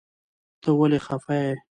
ته ولي خفه يي